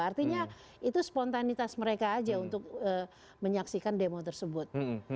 artinya itu spontanitas mereka aja untuk menyaksikan demo tersebut